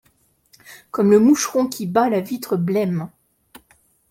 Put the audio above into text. Comme le moucheron qui bat la vitre blême !